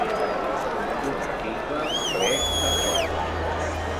Un article ple de fel.